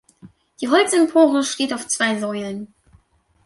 Die Holzempore steht auf zwei Säulen.